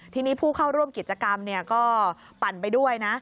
ทีนี้ผู้เข้าร่วมกิจกรรมก็ปั่นไปด้วยนะ